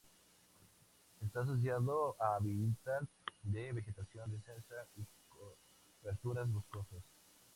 Está asociado a hábitats de vegetación densa y coberturas boscosas.